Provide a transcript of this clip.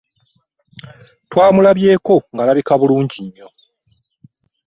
Twamulabyeko ng'alabika bulungi nnyo.